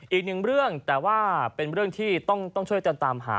อีกหนึ่งเรื่องแต่ว่าเป็นเรื่องที่ต้องช่วยกันตามหา